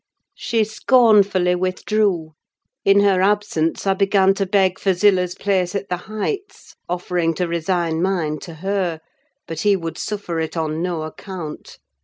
She scornfully withdrew. In her absence I began to beg for Zillah's place at the Heights, offering to resign mine to her; but he would suffer it on no account.